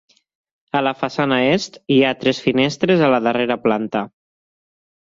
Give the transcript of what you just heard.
A la façana est hi ha tres finestres a la darrera planta.